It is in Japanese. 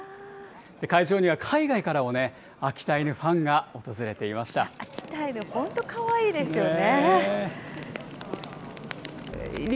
会場には海外からも、秋田犬ファ秋田犬、本当かわいいですよね。